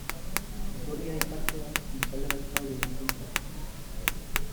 Iturria aipatzea, gizalegezkoa iruditzen zaigu.